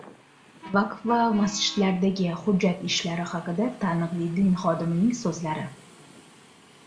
"Vaqf" va masjidlardagi hujjat ishlari haqida taniqli din xodimining so‘zlari